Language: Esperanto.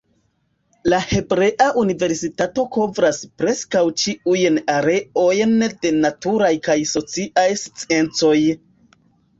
La Hebrea Universitato kovras preskaŭ ĉiujn areojn de naturaj kaj sociaj sciencoj.